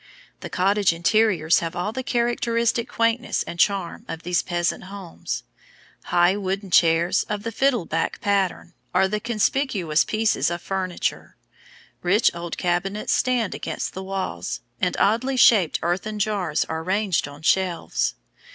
The cottage interiors have all the characteristic quaintness and charm of these peasant homes. High wooden chairs, of the "fiddle back" pattern, are the conspicuous pieces of furniture; rich old cabinets stand against the walls, and oddly shaped earthern jars are ranged on shelves.